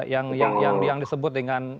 yang yang yang yang disebut dengan